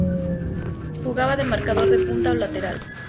Jugaba de marcador de punta o lateral.